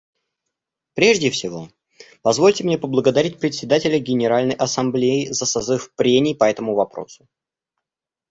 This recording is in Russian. Прежде всего, позвольте мне поблагодарить Председателя Генеральной Ассамблеи за созыв прений по этому вопросу.